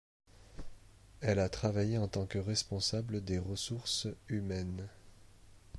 Elle a travaillé en tant que responsable des ressources humaines.